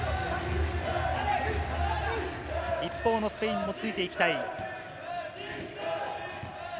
一方のスペインもついていきたい。